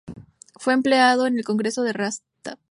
Fue empleado en el congreso de Rastatt.